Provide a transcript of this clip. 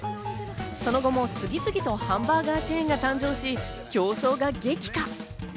その後も次々とハンバーガーチェーンが誕生し、競争が激化。